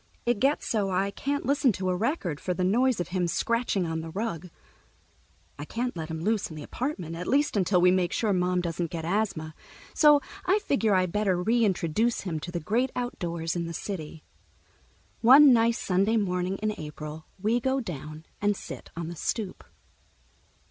It gets so I can't listen to a record, for the noise of him scratching on the rug. I can't let him loose in the apartment, at least until we make sure Mom doesn't get asthma, so I figure I better reintroduce him to the great outdoors in the city. One nice Sunday morning in April we go down and sit on the stoop.